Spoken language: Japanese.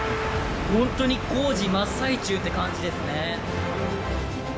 本当に工事真っ最中って感じですね。